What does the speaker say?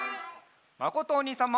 まことおにいさんも！